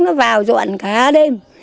nó vào dọn cả đêm